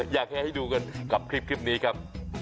อยากให้ดูกันกับคลิปนี้ครับ